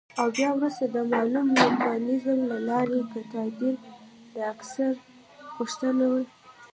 او بيا وروسته د مالوم ميکانيزم له لارې که تعديل د اکثريت غوښتنه وه،